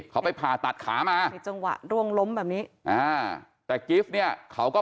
เขาไปผ่าตัดขามามีจังหวะร่วงล้มแบบนี้อ่าแต่กิฟต์เนี่ยเขาก็